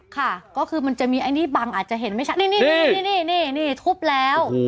ค่ะก็คือมันจะมีไอ้นี่บังอาจจะเห็นไม่ชัดนี่นี่นี่นี่นี่ทุบแล้ว